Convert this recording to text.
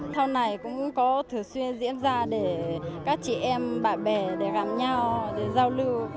tháng này cũng có thử xuyên diễn ra để các chị em bạn bè gặp nhau giao lưu